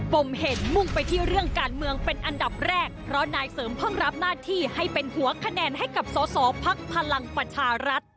มเห็นมุ่งไปที่เรื่องการเมืองเป็นอันดับแรกเพราะนายเสริมเพิ่งรับหน้าที่ให้เป็นหัวคะแนนให้กับสอสอภักดิ์พลังประชารัฐ